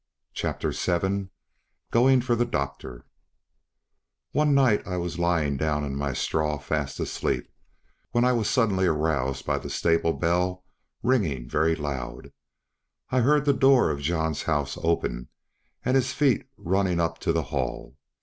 CHAPTER VII GOING FOR THE DOCTOR One night I was lying down in my straw fast asleep, when I was suddenly roused by the stable bell ringing very loud. I heard the door of John's house open, and his feet running up to the Hall.